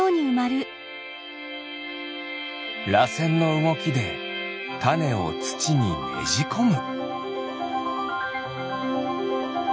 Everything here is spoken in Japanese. らせんのうごきでタネをつちにねじこむ。